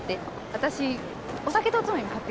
私お酒とおつまみ買ってく。